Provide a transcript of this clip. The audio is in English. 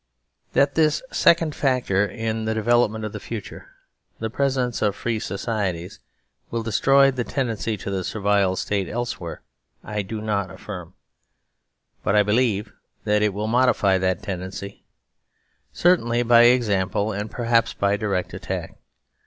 That this second factor in the development of the future, the presence of free societies, will destroy the tendency to the Servile State elsewhere I do not affirm, but I believe that it will modify that tendency, certainly by example and perhaps by direct attack.